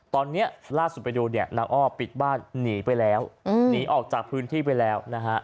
ตอนนี้ล่าสุดไปดูเนี่ยนางอ้อปิดบ้านหนีไปแล้วหนีออกจากพื้นที่ไปแล้วนะฮะ